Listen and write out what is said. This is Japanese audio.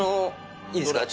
いいですか？